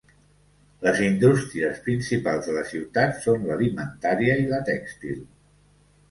Les indústries principals de la ciutat són l'alimentària i la tèxtil.